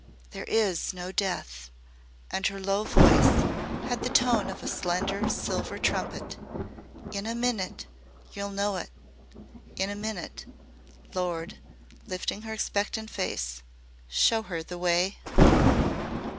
"THERE IS NO DEATH," and her low voice had the tone of a slender silver trumpet. "In a minit yer 'll know in a minit. Lord," lifting her expectant face, "show her the wye."